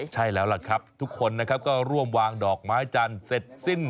ใช่แล้วล่ะครับทุกคนนะครับก็ร่วมวางดอกไม้จันทร์เสร็จสิ้น